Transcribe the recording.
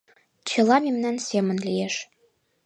Чыла мемнан семын лиеш.